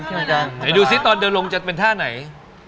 เดี๋ยวดูซิตอนเดินลงจะเป็นท่าไหน